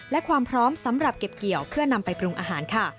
และความพร้อมสำหรับเก็บเกี่ยวเพื่อนำไปปรุงอาหารค่ะ